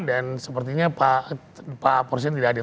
sepertinya pak presiden tidak hadir